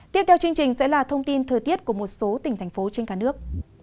tiếp theo chương trình sẽ là thông tin thời tiết của một số tỉnh thành phố trên cả nước